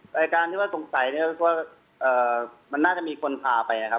รายการที่ว่าสงสัยนี่ก็คือว่าเอ่อมันน่าจะมีคนพาไปนะครับ